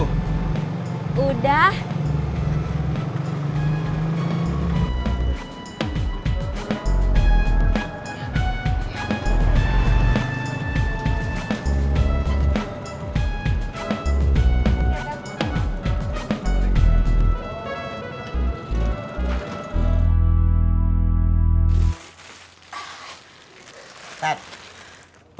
kamu udah sembuh